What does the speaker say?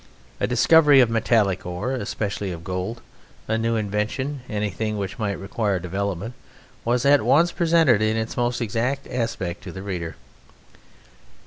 A discovery of metallic ore especially of gold a new invention, anything which might require development, was at once presented in its most exact aspect to the reader."